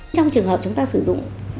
trong trường hợp chúng ta sử dụng